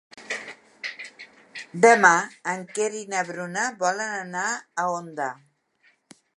Demà en Quer i na Bruna volen anar a Onda.